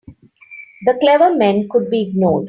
The clever men could be ignored.